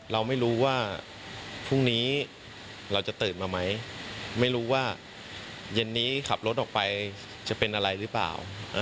เราไม่รู้ว่าพรุ่งนี้เราจะตื่นมาไหมไม่รู้ว่าเย็นนี้ขับรถออกไปจะเป็นอะไรหรือเปล่า